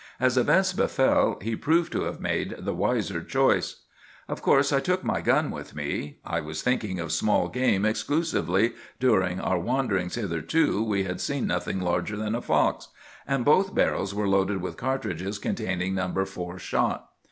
As events befell, he proved to have made the wiser choice. "Of course I took my gun with me. I was thinking of small game exclusively,—during our wanderings, hitherto, we had seen nothing larger than a fox,—and both barrels were loaded with cartridges containing No. 4 shot.